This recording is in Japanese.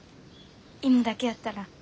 芋だけやったら。